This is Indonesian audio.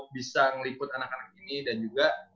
bisa meliput anak anak ini dan juga